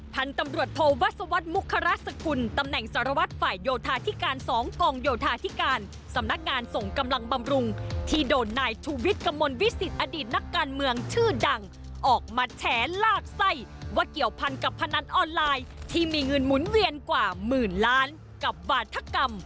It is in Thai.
ที่ส่งกำลังบำรุงที่โดนนายทุวิทย์กำมลวิสิตอดีตนักการเมืองชื่อดังออกมาแถลากไส้ว่าเกี่ยวพันกับพนันออนไลน์ที่มีเงินหมุนเวียนกว่าหมื่นล้านกับบาทกรรม